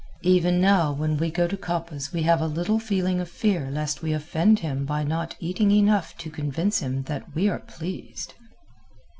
Even now when we go to Coppa's we have a little feeling of fear lest we offend him by not eating enough to convince him that we are pleased.